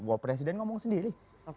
bahwa presiden ngomong sendiri